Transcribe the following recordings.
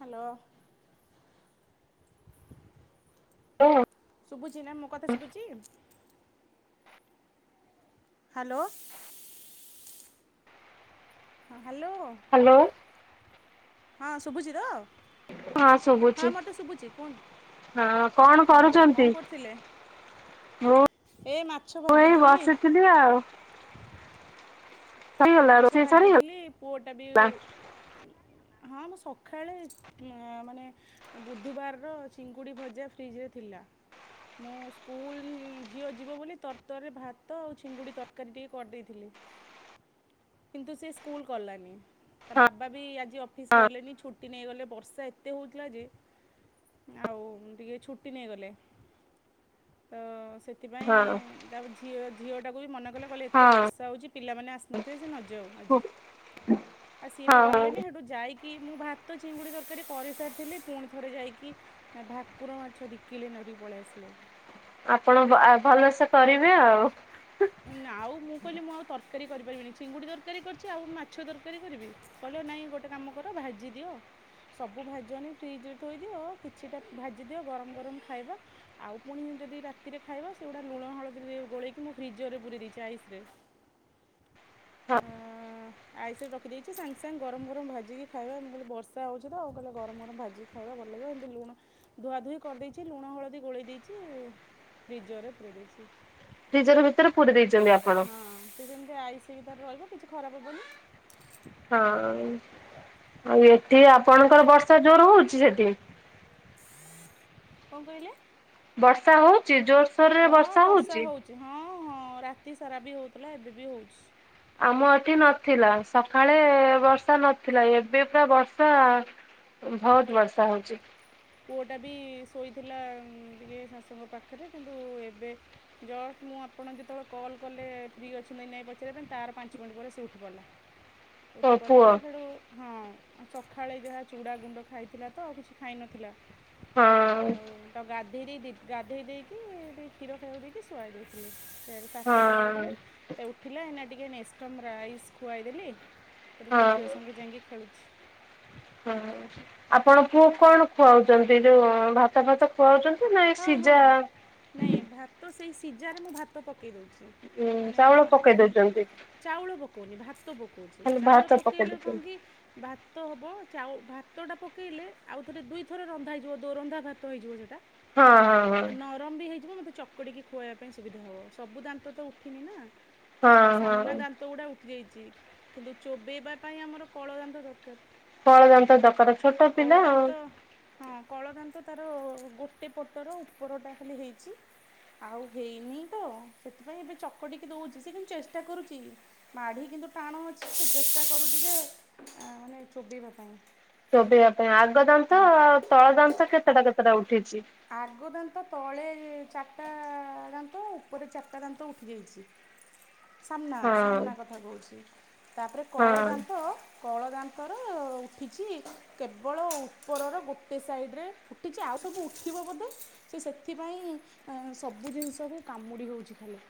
Hello [unintelligible] hello ଶୁଭୁଛି ନା ମୋ କଥା ଶୁଭୁଛିି ହ୍ୟାଲୋ ହଁ ହ୍ୟାଲୋ ହ୍ୟାଲୋ ହଁ ଶୁଭୁଚି ତ ହଁ ହଁ ଶୁଭୁଛି ମୋତେ ଶୁଭୁଛି କୁହନ୍ତୁ ହଁ କଣ କୁହନ୍ତୁ କରୁଛନ୍ତି? କଣ କରୁଥିଲେ? ମୁଁ ଏ ମାଛ ମୁଁ ଏଇ ଭାଜୁଥିଲି [unintelligible] ସରିଗଲା ମାଛ ରୋଷେଇ ସରିଗଲା ଭାଜୁଥିଲି ପୁଅଟା ବି ହଁ ମୁଁ ସକାଳେ ମାନେ ବୁଧବାରର ଚିଙ୍ଗୁଡ଼ି ଭଜା ଫ୍ରିଜରେ ଥିଲା ମୁଁ ସ୍କୁଲ ଝିଅ ଯିବ ବୋଲି ତର ତରରେ ଭାତ ଆଉ ଚିଙ୍ଗୁଡ଼ି ତରକାରୀ ଟିକେ କରିଦେଇଥିଲି କିନ୍ତୁ ସେ ସ୍କୁଲ ଗଲାନି ତା ହଁ ବାବା ବି ଆଜି ଅଫିସ୍ ହଁ କଲେନି ଛୁ ଟି ନେଇଗଲେ ବର୍ଷା ଏତେ ହେଉଥିଲା ଯେ ଆଉ ଟିକେ ଛୁଟି ନେଇଗଲେ ତ ସେ ସେଥିପାଇଁ ହଁ ତା ଝିଅ ଝିଅଟାକୁ ବି ମନା କଲା କହିଲେ ଏତେ ହଁ ବର୍ଷା ହେଉଛି ପିଲାମାନେ ଆସୁନା - ଥେ ସେ ନଯାଉ ଆଜି ଆଉ ସିଏ ବି ହଁ ଗଲେନି ହଁ ସେଠୁ ଯାଇକି କି ମୁଁ ଭାତ ଚିଙ୍ଗୁଡ଼ି ତରକାରୀ କରିସାରିଥିଲି ପୁଣି ଥରେ ଯାଇକି ନା ଭାକୁର ମାଛ ଦିକିଲି ଧରିକି ପଳେଇ ଆସିଲେ ଆପଣ ଭଲସେ କରିବେ ଆଉ ନା ଆଉ ମୁଁ କହିଲି ମୁଁ ଆଉ ତରକାରୀ କରିପାରିବିନି ଚିଙ୍ଗୁଡ଼ି ତରକାରୀ କରିଛି ଆଉ ମାଛ ତରକାରୀ କରିବି କହିଲେ ନାଇଁ ଗୋଟେ କାମ କର ଭାଜି ଦିଅ। ସବୁ ଭାଜନି ଫ୍ରିଜ୍ ରେ ଥୋଇଦିଅ କିଛିଟା ଭାଜିଦିଅ ଗରମ ଗରମ ଖାଇବା। ଆଉ ପୁଣି ଯଦି ରାତିରେ ଖାଇବା ସେଗୁଡା ଲୁଣ ହଳଦୀରେ ଗୋଳେଇକି ମୁଁ ଫ୍ରିଜରରେ ପୁରେଇ ଦେଇଚି ଆଇସିରେ ହଁ। ଆଇସି ରଖିଦେଇଚି ସାଙ୍ଗେ ସାଙ୍ଗେ ଗରମ ଗରମ ଭାଜିକି ଖାଇବା। ମୁଁ କହିଲ ବର୍ଷା ହେଉଚି ତ କହିଲ ଗରମ ଗରମ ଭାଜି ଖାଇବା ଭଲ ଲାଗିବ ଏମିତି ଲୁଣ ଧୁଆ ଧୋଇ କରିଦେଇଚି ଲୁଣ ହଳଦୀ ଗୋଳେଇ ଦେଇଚି। ଫ୍ରିଜରେ ପୁରେଇ ଦେଇଚି। ଫ୍ରିଜର ଭିତରେ ପୁରେଇ ଦେଇଚି। ହଁ ସେ ସେମିତି ଆଇସି ହେଇକି ତାର ରହିବ କିଛି ଖରାପ ହବନ। ହଁ ଆଉ ଏଠି ଆପଣଙ୍କର ବର୍ଷା ଜୋର ହୋଉଚି ସେଠି? କଣ କହିଲେ? ବର୍ଷା ହୋଉଚି ଜୋରସୋର ରେ ହଁ ବର୍ଷା ହୋଉଚି। ହଁ ହେଉଛି ହଁ ରାତି ସାରା ବି ହୋଉଥିଲା ଏବେ ବି ହୋଉଚି। ଆମ ଏଠି ନଥିଲା ସକାଳେ ବର୍ଷା ନଥିଲା ଏବେ ପୁରା ବର୍ଷା ବୋହୁତ ବର୍ଷା ହୋଉଚି। ପୁଅଟା ବି ଶୋଇଥିଲା ଟିକେ ଶାଶୁଙ୍କ ପାଖରେ କିନ୍ତୁ ଏବେ ଜଷ୍ଟ ମୁଁ ଆପଣ ଯେତେବେଳେ କଲ୍ କଲେ ଫ୍ରି ଅଛନ୍ତି ନାଇଁ ପଚାରିବା ପାଇଁ ତାର ପାଞ୍ଚ ମିନିଟ ପରେ ସେ ଉଠି ପଡିଲା। [unintelligible] ଉଠି ପଡିଲା ପୁଅ ସେଇଠୁ ହଁ ସକାଳେ ଯାହା ଚୁଡାଗୁଣ୍ଡ ଖାଇଥିଲା ତ ଆଉ କିଛି ଖାଇନଥିଲା। ହଁ ଆଉ ତ ଗାଧେଇ ଦେଇ ଦି ଗାଧେଇ ଦେଇକି ଟିକେ କ୍ଷୀର ଖାଇବାକୁ ଦେଇକି ଶୁଆଇ ଦେଇଥିଲି ସିଆଡେ ଶାଶୁ ଶୁଆଇ ହଁ [unintelligible] ଥିଲେ ଉଠିଲା ଏଇନା ଟିକେ ନେଷ୍ଟମ୍ ରାଇସ୍ ଖୁଆଇଦେଲି। ସେଠୁ ହଁ ମୋ ଝିଅ ସାଙ୍ଗେ ଯାଇକି ଖେଳୁଚି। ହୁଁ ଆପଣ ପୁଅକୁ କଣ ଖୁଆଉଚନ୍ତି ଯୋଉ ଭାତ ଫାତ ଖୁଆଉଚନ୍ତି ନାଇଁ ଏ ହଁ ହଁ ସିଜା। ନାଇଁ ଭାତ ସେଇ ସିଜାରେ ମୁଁ ଭାତ ପକେଇ ଦୋଉଚି। ଉଁ ଚାଉଳ ପକେଇ ଦୋଉଚନ୍ତି। ଚାଉଳ ପକୋଉନି ଭାତ ପକୋଉଚି ଭାତ ଚାଉଳ ପକେଇ ପକେଇଲେ କଣ ଦଉଛନ୍ତି କି ଭାତ ହେବ ଚାଉ ଭାତଟା ପକେଇଲେ ଆଉଥରେ ଦୁଇଥର ରନ୍ଧା ହେଇଯିବ ଦୋରନ୍ଧା ଭାତ ହେଇଯିବ ସେଟା ହଁ ହଁ। ହଁ। ଆଉ ନରମ ବି ହେଇଯିବ ମୋତେ ଚକଡିକି ଖୁଆଇବା ପାଇଁ ସୁବିଧା ହେବ। ସବୁ ଦାନ୍ତ ତ ଉଠିନି ନା ହଁ ଆଉ ହଁ ସାମ୍ନା ଦାନ୍ତ ଗୁଡା ଉଠି ଯାଇଚି କିନ୍ତୁ ଚୋବେଇବା ପାଇଁ ଆମର କଳ ଦାନ୍ତ ଦରକାର। କଳ ଦାନ୍ତ ଦରକାର ଛୋଟ କଳ ପିଲା ଆଁ। ଦାନ୍ତ ହଁ କଳଦାନ୍ତ ତାର ଗୋଟେ ପଟର ଉପରଟା ଖାଲି ହେଇଚି। ଆଉ ହେଇନି ତ ସେଥିପାଇଁ ଏବେ ଚକଟିକି ଦୋଉଚି ସେ କିନ୍ତୁ ଚେଷ୍ଟା କରୁଚି। ମାଢି କିନ୍ତୁ ଟାଣ ଅଛି। ସେ ଚେଷ୍ଟା କରୁଚି ଯେ ମାନେ ଚୋବେଇବା ପାଇଁ ଚୋବେଇବା ପାଇଁ ଆଗ ଦାନ୍ତ ଆଉ ତଳ ଦାନ୍ତ ଆ କେତେଟା କେତେଟା ଉଠିଚି? ଆଗ ଦାନ୍ତ ତଳେ ଚାରିଟା ଦାନ୍ତ ଉପରେ ଚାରିଟା ଦାନ୍ତ ଉଠିଯାଇଚି। ହଁ ସାମ୍ନା ସାମ୍ନା କଥା କୋହୁଚି ତାପରେ କଳ ହଁ ଦାନ୍ତ କଳ ଦାନ୍ତର ଉଠିଚି କେବଳ ଉପରର ଗୋଟେ ସାଇଡ୍ ରେ ଉଠିଚି ଆଉ ସବୁ ଉ ଠିବ ବୋଧେ ସେ ସେଥିପାଇଁ ସବୁ ଜିନିଷକୁ କାମୁଡ଼ି ହୋଉଚି ଖାଲି।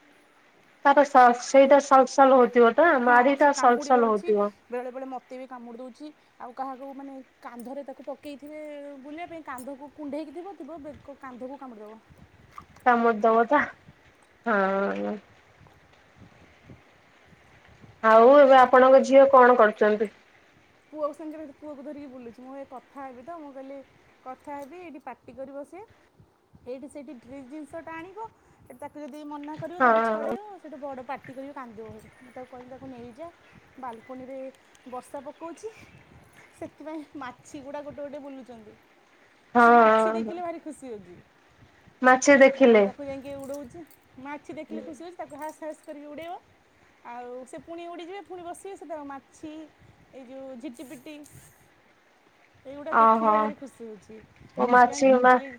ତାର ସ ସେଇଟା ସଲ୍ ସଲ୍ ହୋଉଥିବ ତ ହଁ ସେ ମାଢିଟା ସଲ୍ କାମୁଡ଼ି ସଲ୍ ହେଉଛି ହୋଉଥିବ। ବେଳେବେଳେ ମତେ ବି କାମୁଡି ଦୋଉଚି। ଆଉ କାହାକୁ ମାନେ କାନ୍ଧରେ ତାକୁ ପକେଇଥିବେ ବୁଲିବା ପାଇଁ କାନ୍ଧକୁ କୁଣ୍ଢେଇକି ଥିବ ଥିବ ବେକ କାନ୍ଧକୁ କାମୁଡି ଦବ। କାମୁଡି ଦବ ତ ହଁ। ଆଉ ଏବେ ତାପରେ ଆପଣଙ୍କ ଝିଅ କଣ କରୁଛନ୍ତି। ପୁଅକୁ ସାଙ୍ଗରେ ପୁଅକୁ ଧରିକି ବୁଲୁଛି ମୁଁ ଏ କଥା ହେବି ତ ମୁଁ କହିଲି କଥା ହେବି ଏଇଠି ପାଟି କରିବ ସିଏ ଏଇଠି ସେଠି ଡ ଜିନିଷ ଟା ଆଣିବଠି ତା ଟ ଦ ମନା କରିବ ତାଠୁ ହଁ। ଛଡ଼େଇ ଆ ସେଇଠୁ ବଡ଼ ପାଟି କର କାନ୍ଦିବ ସେଠି ମୁଁ ତାକୁ କ କହିହିଲି ତାକୁ ନେଇଯାଏ ବାଲକନିରେ ବର୍ଷା କହୁଛି ସେଥିପାଇଁ ମାଛି ଗୁଡା ଗୋଟେ ଗୋଟେ ବୁଲୁଛନ୍ତି। ସେ ମାଛି ହଁ ଦେଖିଲେ ଭାରି ଖୁସି ହଉଛି ମାଛି ଦେଖିଲେ ଆଉ ତାକୁ ଯାଇକି ଉଡଉଛି। ମା ମାଛି ଦେଖିଲେ ଖୁସି ହଉଛି ତାକୁ ହାସ ହାସ କରିକି ଉଡେଇବ। ଆଉ ସେ ପୁଣି ଉଡ଼ିଯିବେ ପୁଣି ବସିବେ ସେ ତା ଆଉ ମାଛି ଉ ଜଝଟିପିଟି ଏଇଗୁଡ଼ା ଓହୋ ଦେଖିଲେ ଭାରି ଖୁସି ହେଉଛି ଓ ଏଥିପାଇଁ ମାଛି ତା ମା କହିଲି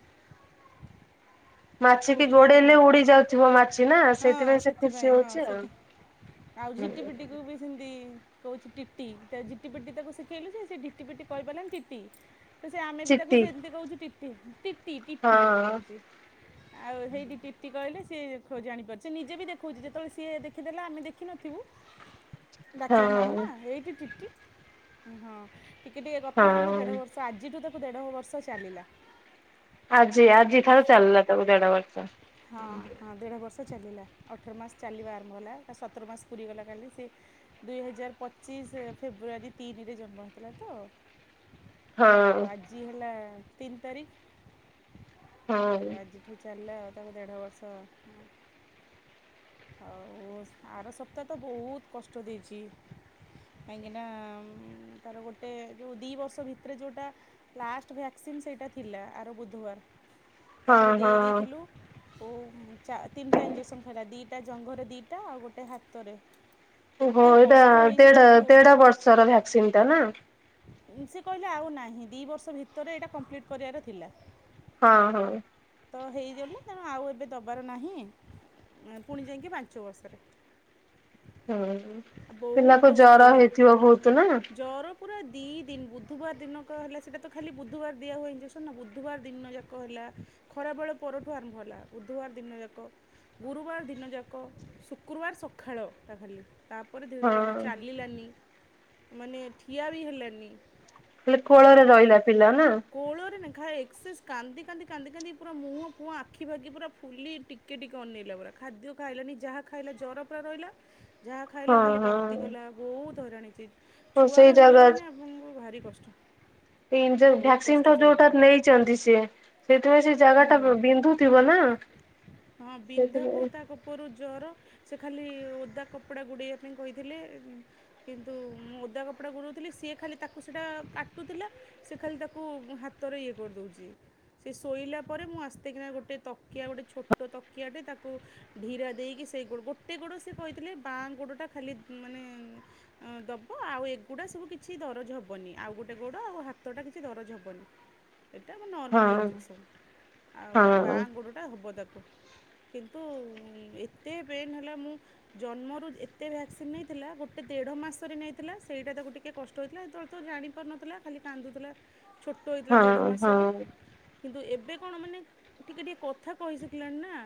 [inaudible] ତାକୁ ମାଛି କିି ଟିକେ ଗୋଡେଇଲେ ଉଡି ଯାଉଥିବ ମାଛି ନା ହଁ ସେଇଥିପାଇଁ ସେ ସେଥିପାଇଁ ଖୁସି ହଁ ହଉଛି ଆଉ ସେଠି ଆଉ ଝିଟି ପିଟିକୁ ବି ସେମତି କହୁଛି ଟିଟି ଜିଟି ପିଟି ତାକୁ ଶିଖେଇଲୁ ସେ ସେ ଟି ପିଟି କହି ପାରିଲି। ତ ସେ ଆମେ ବି ଚିତି ତାକୁ ସେମତି କହୁଛୁ ଟି ଟି ଟି ହଁ କରିଛି। ଆଉ ସେଇ ଦି ଟିପ୍ତି କହିଲେ ସିଏ ଜାଣିପାରୁଛି ନିଜେ ବି ଦେଖଉଛି ଯେତେବେଳେ ସିଏ ଦେଖିଦେଲା ଆମେ ଦେଖିନଥିବୁ। [inaudible] ଡାକିବ ମାମା ହଁ ଏଇଠି ହଁ ଟିକେ ଟିକେ କଥା କହୁଛି ହଁ। ଦେଢ ବର୍ଷ ତ ଆଜିଠୁ ତାକୁ ଦେଢ଼ ବର୍ଷ ଚାଲିଲା। ଆଜି ଆଜି ଥରେ ଚାଲିଲା ତାକୁ ଦେଢ ବର୍ଷ। ହଁ ହଁ। ଦେଢ଼ ବର୍ଷ ଚାଲିଲା ଅଠର ମାସ ଚାଲିବା ଆରମ୍ଭ ହେଲା ସତର ମାସ ପୁରିଗଲା କାଲି ସେ ଦୁଇ ହଜାର ପଚିଶ ଫେବୃଆରୀ ତିନିରେ ଜନ୍ମ ହେଇଥିଲା ତ ହଁ। ଆଉ ଆଜି ହେଲା ତିନି ତାରିଖ ହଁ। ଆଉ ଆଜିଠୁ ଚାଲିଲା ଆଉ ତାକୁ ଦେଢ଼ ବର୍ଷ ହ। ହଉ ଆର ସପ୍ତାହ ତ ବହୁତ କଷ୍ଟ ଦେଇଛି। କାହିଁକି ନା ତାର ଗୋଟେ ଯୋଉ ଦି ବର୍ଷ ଭିତରେ ଯୋଉଟା ଲାଷ୍ଟ ଭ୍ୟାକ୍ସିନ୍ ସେଇଟା ଥିଲା ଆର ବୁଧବାର ହଁ ତାକୁ ଦେଇ ହଁ ଦେଇଥିଲୁ ଓ ତିନିଟା ଇଞ୍ଜେକ୍ସନ୍ ଖାଇବା ଟା ଜଙ୍ଘରେ ଦିଟା ଆଉ ଗୋଟେ ହାତରେ ଓହୋ ଏତେ ଏଇଟା କଷ୍ଟ ହେଇଛି ଦେଢ ତାକୁ ଦେଢ ବର୍ଷର ଭ୍ୟାକ୍ସିନ ଟା ନା। ସେ କହିଲେ ଆଉ ନାହିଁ ଦିଇ ବର୍ଷ ଭିତରେ ଏଇଟା କମ୍ପ୍ଲିଟ୍ କରିବାର ଥିଲା। ହଁ ହଁ। ତ ହେଇଗନ ତେଣୁ ଆଉ ଏବେ ଦେବାର ନାହିଁ। ଏଁ, ପୁଣି ଯାଇକି ପାଞ୍ଚ ବର୍ଷରେ। ହୁଁ ବହୁତ ପିଲାକୁ କଷ୍ଟ ଜର ହେଇଛି ତା ହେଇଥିବ ବହୁତ ନା ଜର ପୁରା ଦୁଇ ଦିନ ବୁଧବାର ଦିନକ ହେଲା ସେଇଟା ତ ଖାଲି ବୁଧବାର ଦିଆ ହୁଏ ଇଞ୍ଜେକ୍ସନ୍ ନା ବୁଧବାର ଦିନ ଯାକ ହେଲା। ଖରା ବେଳ ପରଠୁ ଆର ଭଲା ବୁଧବାର ଦିନ ଯାକ ଗୁରୁବାର ଦିନ ଦିନଯାକ ଶୁକ୍ରବାର ସକାଳଟା ଖାଲି ତାପରେ ଧୀରେ ଧୀରେ ଭଲ ହଁ। ଚାଲିଲାନି ମାନେ ଠିଆ ବି ହେଲାନି ହେଲେ ଆଉ କୋଳରେ ରହିଲା ପିଲା ନା କୋଳରେ ନାଏ ଏସରସାଇଜ କାନ୍ଦି କାନ୍ଦି କାନ୍ଦି କାନ୍ଦି ପୁର ମୁହଁ ଫୁଖି ପୁରା ଫୁଲି କେ ଟିକେ ଅନେଇଲା ପୁରା। ଖାଦ୍ୟ ଖାଇଲାାନି ଯାହା ଖାଇଲା ଜ୍ୱର ପରା ରହିଲା ଯାହା ଖାଇଲା ହଁ ଖାଲି ବାନ୍ତି ହଁ। କଲା ବହୁତ ହଇରାଣ ହେଇଛି। ତ ସେଇ ଛୁଆର ହେଲା ଜାଗା ମାନେ ଏଇ ଆପଣଙ୍କୁ ଭାରି କଷ୍ଟ ବହୁତ କଷ୍ଟ ବାକୁ ପଡ଼ିବ। ସେ ସେଥିପାଇଁ ସେ ଜାଗା ଟା ହୁଁ ବିନ୍ଧୁଥିବ ନା ସେଥିପାଇଁ ଉପରୁ ଜର ସେ ଖାଲି ଓଦା କପଡ଼ା ଗୁଡ଼େଇବା ପାଇଁ କହିଥିଲେ। କିନ୍ତୁ ମୁଁ ଓଦା କପଡ଼ା ଗୁରୋଉଥିଲି ସିଏ ଖାଲି ତାକୁ ସେଇଟା କାଟୁଥିଲା। ସିଏ ଖାଲି ତାକୁ ହାତରେ ଇଏ କରିଦୋଉଚି। ଶୋଇଲା ପରେ ମୁଁ ଆସ୍ଥେକିନା ଗୋଟେ ତକିଆ ଗୋଟେ ଛୋଟୋ ତକିଆଟେ ତାକୁ ଢିରା ଦେଇକି ସେଇ ଗୋଡ ଗୋଟେ ଗୋଡୋ ସିଏ କହିଥିଲେ ବାଁଆ ଗୋଡୋଟା ଖାଲି ମାନେ ଅଁ ଦେବ ଆଉ ଏଗୁଡ଼ା ସବୁ କିଛି ଦରଜ ହବନି ଆଉ ଗୋଟେ ଗୋଡୋ ଆଉ ହାତଟା କିଛି ଦରଜ ହବନି। [inaudible] ଏଟା ଆମ ନର୍ମାଲ୍ ହଁ ଇଞ୍ଜେକ୍ସନ୍ ଆଉ ବାଁଆ ହଁ ଗୋଡୋଟା ହେବ ତାକୁ। କିନ୍ତୁ ଏତେ ଉଁ ପେନ୍ ହେଲା ମୁଁ ଜନ୍ମରୁ ଏତେ ଭ୍ୟାକ୍ସିନ ନେଇଥିଲା ଗୋଟେ ଦେଢ ମାସରେ ନେଇଥିଲା ସେଇଟା ତାକୁ ଟିକେ କଷ୍ଟ ହେଇଥିଲା ସେତୋ ତ ଜାଣିପାରୁନଥୁଲା ଖାଲି କାନ୍ଦୁଥୁଲା ଛୋଟୋ ହେଇଥିଲା ହଁ ଦେଢ଼ ହଁ ମାସର। କିନ୍ତୁ ଏବେ କଣ ମାନେ ଟିକେ ଟିକେ କଥା କହିସିଖିଲାଣି ନା।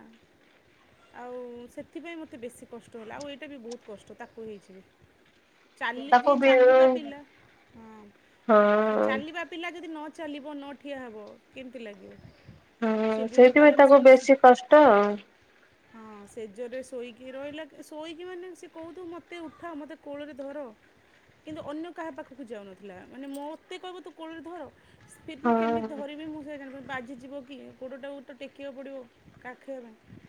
ଆଉ ସେଥିପାଇଁ ମତେ ବେଶୀ କଷ୍ଟ ହେଲା ଆଉ ଏଇଟା ବି ବୋହୁତ କଷ୍ଟ ତାକୁ ହେଇଚିବି। [inaudible] ଚାଲି ଯଏ ବି ଚାଲିବା ହଁ ପିଲା ହଁ ଚାଲିବା ପିଲା ଯଦି ନ ଚାଲିବ ନଠିଆ ହେବ କେମିତି ଲାଗିବ। ହୁଁ ସେ ବୁଲି ସେଇଥିପାଇଁ ପାରିଲାନି ତାକୁ ସେମିତି ବେଶୀ କଷ୍ଟ ଆଉ। ହଁ ସେଜରରେ ଶୋଇକି ରହିଲା ଶୋଇକି ମାନେ ସେ କୋହୁଥୁବ ମତେ ଉଠା ମତେ କୋଳୋରେ ଧର। କିନ୍ତୁ ଅନ୍ୟ କାହା ପାଖୁକୁ ଯାଉନଥିଲା ମାନେ ମୋତେ କହିବ ତୁ କୋଳୋରେ ଧର। [unintelligible] ହଁ କେମିତି ଧରିବି ମୁଁ [unintelligible] ବାଜିଯିବ କି ଗୋଡୋଟାକୁ ତ ଟେକିବାକୁ ପଡିବ କାଖେଇବା ପାଇଁ।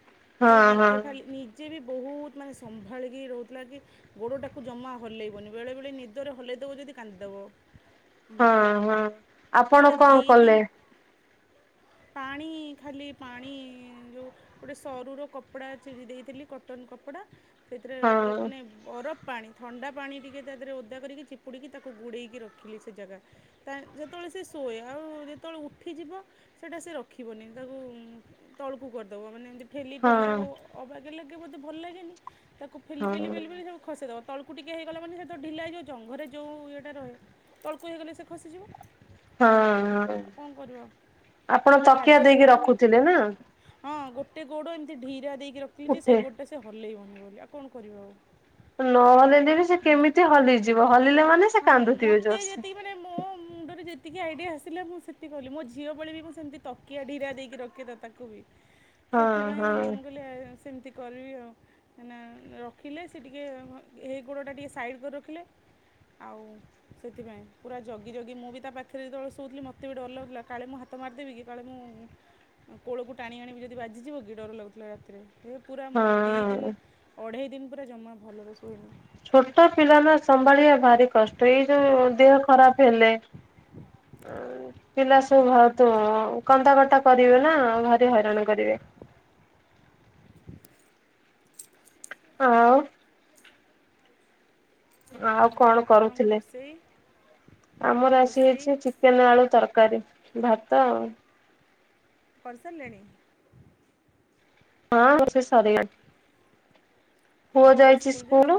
ସିଏ ହଁ ହଁ ନିଜେ ଖାଲି ନିଜେ ବି ବୋହୁତ ମାନେ ସମ୍ଭାଳିକି ରୋହୁଥୁଲା କି ଗୋଡୋଟାକୁ ଜମା ହଲେଇବନି ବେଳେବେଳେ ନିଦରେ ହଲେଇଦବ ଯଦ କାନ୍ଦିଦବ। ହଁ ହଁ [unintelligible] ପୁରା ଆପଣ କଣ ଦିଇ କଲେ ଦିନ ପାଣି ଖାଲି ପାଣି ଯୋଉ ଗୋଟେ ସରୁର କପଡ଼ା ଚିରି ଦେଇଥିଲି କଟନ କପଡ଼ା ସେଥିରେ ହଁ ଓ ମାନେ ବରଫ ପାଣି ଥଣ୍ଡା ପାଣି ଟିକେ ତା ଦେହେରେ ଓଦା କରିକି ଚିପୁଡ଼ିକି ତାକୁ ଗୁଡ଼େଇକି ରଖିଲି ସେ ଜାଗା। ତାଏ ଯେତୋବୋଳେ ସିଏ ଶୋଏ ଆଉ ଯେତୋବୋଳେ ଉ ଠିଯିବ ସେଟା ସିଏ ରଖିବନି ତାକୁ ତଳୁକୁ କରିଦବ ମାନେ ଏମିତି ଠେଲି ହଁ ଠେଲି ତାକୁ ଅବାଗ୍ୟା ଲାଗେ ବୋଧେ ଭଲ ଲାଗେନି ତାକୁ ଫେଲି ପେଲି ହଁ ପେଲି ପେଲି ତାକୁ ଖସେଇଦେବ ତଳୁ କୁ ଟିକେ ହେଇଗଲା ମାନେ ସେ ତ ଢିଲା ହେଇଯିବ ଜଙ୍ଘରେ ଯେଉଁ ଇଏଟା ରହେ ତଳୁକୁ ହୋଇଗଲେ ସିଏ ଖସିଯିବ। ହଁ ଏମିତି ହଁ ଆଉ କଣ କରିବ ଆପଣ ତକିଆ ଖାଦ୍ୟ ବି ଦେଇକି ଖାଇଲାନି। ରଖୁଥୁଲେ ନା। ହଁ ଗୋଟେ ଗୋଡୋ ଏମିତି ଢିରା ଦେଇକି ରଖିଲି ଯେ ଉଠେ ସେଇ ଗୋଡ଼ଟା ସେ ହଲେଇବନି ବୋଲି ଆଉ କଣ କରିବା ଆଉ। ନ ହଲେଇଲେ ବି ସିଏ କେମିତି ହଲିଯିବ ହଲିଲେ ମାନେ ସିଏ ହଁ କାନ୍ଦୁଥିବେ ମୋତେ ଜୋରସେ। ଯେତିକି ମାନେ ମୋ ମୁଣ୍ଡରେ ଯେତିକି ଆଇଡିଆ ଆସିଲେ ମୁଁ ସେ ତି କହିଲି ମୋ ଝିଅ ବୋଳେ ବି ମୁଁ ସେମିତି ତକିଆ ଢିରା ଦେଇକି ରଖେତ ତାକୁ ବି। ହଁ ସେଥିପାଇଁ ହଁ ମୁଁ କହିଲି ଆଉ ସେମିତି କରିବି ଆଉ କାହିଁନା ରଖିଲେ ସିଏ ଟିକେ ହଁ ହେଇ ଗୋଡୋଟା ଟିକେ ସାଇଡ୍ କରି ରଖିଲେ ଆଉ ସେଥିପାଇଁ ପୁରା ଜଗି ଜଗି ମୁଁ ବି ତା ପାଖେରେ ଯେତୋବୋଳେ ଶୋଉଥିଲି ମ ତେବି ଡର ଲାଗୁଥୁଲା କାଳେ ମୁଁ ହାତ ମାରଦେବି କି କାଳେ ମୁଁ ଉଁ କୋଳୋକୁ ଟାଣି ଆଣିବି ଯଦି ବାଜିଯିବ କି ଡର ଲାଗୁଥିଲା ରାତିରେ ହେ ପୁରା ମୁଁ ଦିଇ ହଁ। ଦିନ ଅଢ଼େଇ ଦିନ ପୁରା ଜମା ଭଲରେ ଶୋଇନି। ଛୋଟୋ ପିଲାନା ସମ୍ଭାଳିବା ଭାରି କଷ୍ଟ ଏଇ ଯୋଉ ଦେହ ଖରାପ ହେଲେ। ପିଲା ସବୁ [unintelligible] କନ୍ଦା କଟା କରିବେ ନା ଭାରି ହଇରାଣ କରିବେ। ଆଉ। ଆଉ ହଁ କଣ ଆପଣଙ୍କ କରୁଥିଲେ ରୋଷେଇ ଆମର ଆସି ରୋଷେଇ ହେଇଛି ଚି କେନ ଆଳୁ ତରକାରୀ ଭାତ ଆଉ। କରିସାରିଲେଣି। ହଁ ରୋଷେଇ ସାରିଲାଣି। ପୁଅ ଯାଇଛି ସ୍କୁଲ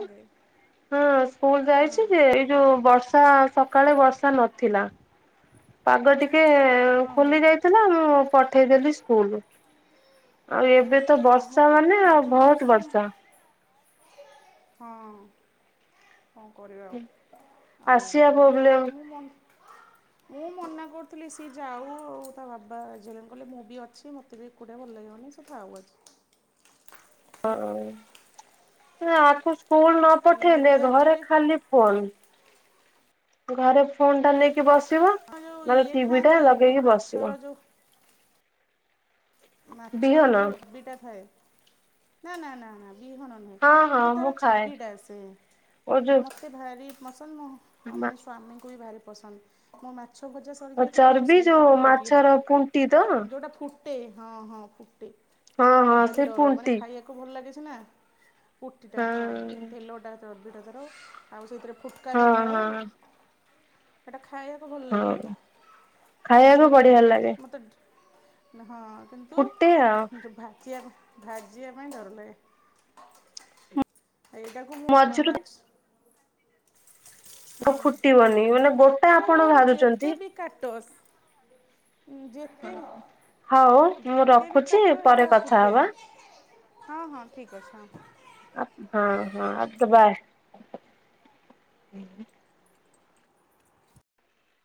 ହଁ ସ୍କୁଲ ହଁ ଯାଇଛି ଯେ ଯୋଉ ବର୍ଷା ସକାଳେ ବର୍ଷା ନଥିଲା ପାଗ ଟିକେ ହଁ ହଁ ଖୋଲିଯାଇଥିଲି ମୁଁ ପଠେଇଦେଲି ସ୍କୁଲୁ ଆଉ ଏବେ ତ ଆମର ବର୍ଷା ତ ମାନେ ଏପଟେ ଆଉ ଜୋର ବୋହୁତ ବର୍ଷା। ହଁ। କଣ କରିବା ଆଉ ଆଉ ଆସିବା ମୁଁ ତ ପ୍ରୋବ୍ଲେମ ବାରନି ମୋ ମୁଁ ମନା କରୁଥୁଲି ସ୍ ସିଏ ଯାଉ ଆଉ ତା ବାବା ଝିଅଙ୍କୁ କହିଲେ ମୁଁ ବି ଅଛି ମତେ ବି ଏକୁଟିଆ ଭଲ ଲାଗିବନି ସେ ଥାଉ ଆଜି। ହଁ ନା ଆକୁ ସ୍କୁଲ ନ ମୁଁ ପଠେଇଲେ ଏବେ ଘରେ ଆକ୍ଚୁଆଲି ଖାଲି ଫୋନ ଘରେ ଫୋନଟା ନେଇକି ବସିବ। ହଁ ଯେଉଁ ମାନେ ଇଏ ଟିଭିିଟା ଖାଆନ୍ତି ଯେଉଁ ଲଗେଇକି ବସିବ। ମାଛର ଯେଉଁ ମାଛର ବିହନ ଯୋଉ ହବିଟା ଥାଏ ନା ନା ନା ନା ବିହନ ନୁହେଁ। ହଁ ହଁ ଯୋଉ ତାର ମୁଁ ଖାଏ ଚର୍ବିଟା ଆସେ ମ ଓ ଯୋଉ ମତେ ଭାରି ପସନ୍ଦ ମୋ ମାନେ ସ୍ଵମୀଙ୍କୁ ବି ଭାରି ପସନ୍ଦ ମୋ ମାଛଭଜା ସେ ସରିଯାଇଥିଲା କିନ୍ତୁ ଚର୍ବି ସେଇଟା ଯୋଉ ପକେଇଥିଲେ ମାଛର ପୁଣ୍ଟି ତ ହଁ ଯୋଉଟା ଫୁ ଫୁଟେ ହଁ ହଁ ଫୁଟେ ଆଉ ହଁ ଭାରି ସେ ଡର ମାନେ ପୁଣ୍ଟି ଖାଇବାକୁ ଭଲ ଲାଗେ ସିନା। ଫୁଟିଟା ହଁ ତେଲଟା ଚର୍ବିଟା ତାର ଆଉ ସେଇଥିରେ ଫୁ ହଁ ହଁ। ହେଟା ଖାଇବାକୁ ଭଲ ହଁ ଲାଗେ ଖାଇବାକୁ କିନ୍ତୁ ବଢିଆ ଲାଗେ ମତେ ଟ୍ ହେଟା ହଁ କିନ୍ତୁ ଫୁଟେ ଆଉ ଭାଜିବା ପାଇ ଭାଜିବା ପାଇଁ ଡର ଲାଗେ। ଆ ଏଇଟାକୁ ମୁଁ ପ୍ ମଝିରୁ ମାଛ ହଁ ଫୁଟିବନି ମାନେ ଗୋଟା ଏଇଟାକୁ ଆପଣ ଗୋଟେ ଭାଜୁଛନ୍ତି ଯେତେ ବି କାଟ ସ୍ ଉଁ ଯେ ହଉ ମୁଁ ବି ରଖୁଚି କାଟ ସେଇଟା ପରେ କଥା ଫୁଟେ ହବା। ହଁ ହଁ ଠିକ୍ ଅଛି ହଁ। ଆ ହଁ ହଁ ଆ ଟିକେ ବାଏ।